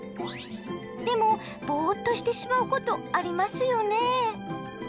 でもボーっとしてしまうことありますよね？